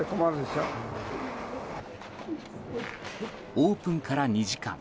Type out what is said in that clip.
オープンから２時間。